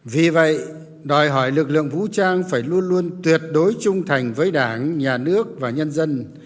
vì vậy đòi hỏi lực lượng vũ trang phải luôn luôn tuyệt đối trung thành với đảng nhà nước và nhân dân